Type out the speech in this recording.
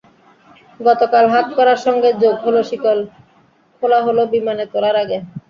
গতকাল হাতকড়ার সঙ্গে যোগ হলো শিকল, খোলা হলো বিমানে তোলার আগে।